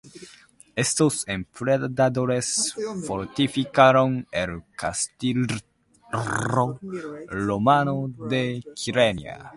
Estos emperadores fortificaron el castillo romano de Kyrenia.